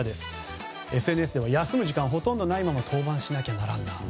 ＳＮＳでは休む時間がほとんどないまま登板しなきゃならんな。